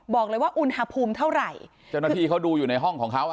บอกเลยว่าอุณหภูมิเท่าไหร่เจ้าหน้าที่เขาดูอยู่ในห้องของเขาอ่ะ